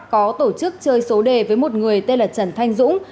có tổ chức chơi số đề với một người tên là trần thanh dũng